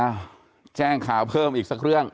แจ้งข่าวเพิ่มอีกสักเรื่อง